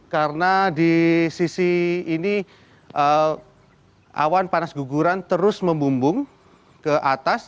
karena di sisi ini awan panas guguran terus membumbung ke atas